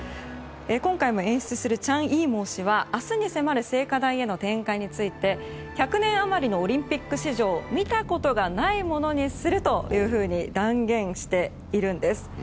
今回も演出するチャン・イーモウ氏は明日に迫る聖火台への点火について１００年余りのオリンピック史上見たことがないものにするというふうに断言しているんです。